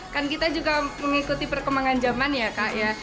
kan kita juga mengikuti perkembangan zaman ya kak ya